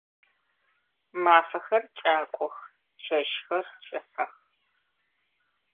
Мафэхэр кӏакох, чэщхэр кӏыхьэх.